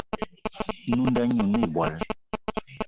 Nwǐ nda ɲî oné̂ ìbwal